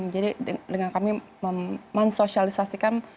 jadi dengan kami mensosialisasikan